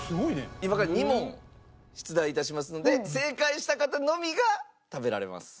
今から２問出題致しますので正解した方のみが食べられます。